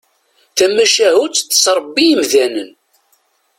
Tamacahut tettrebbi imdanen.